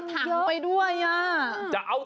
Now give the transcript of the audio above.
อื้อ